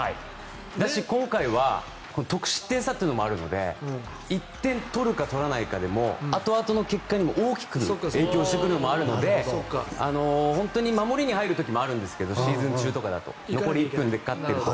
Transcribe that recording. そうだし、今回は得失点差というのもあるので１点取るか取らないかでも後々の結果にも大きく影響してくる部分もあるので本当に守りに入る時もあるんですけどシーズン中とかだと。残り１分で勝っていると。